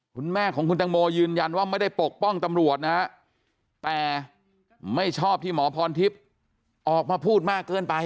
คุณแม่ของคุณตังโมยืนยันว่าไม่ได้ปกป้องตำรวจนะฮะแต่ไม่ชอบที่หมอพรทิพย์ออกมาพูดมากเกินไป